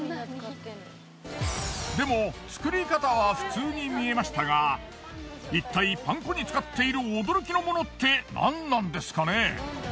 でも作り方は普通に見えましたがいったいパン粉に使っている驚きのモノってなんなんですかね？